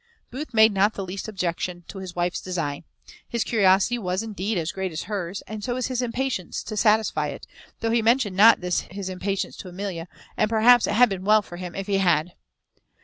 Booth made not the least objection to his wife's design. His curiosity was, indeed, as great as hers, and so was his impatience to satisfy it, though he mentioned not this his impatience to Amelia; and perhaps it had been well for him if he had.